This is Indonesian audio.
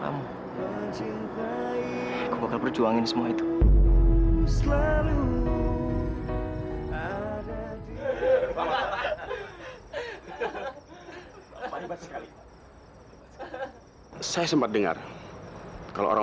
kamu keluarin semua perasaan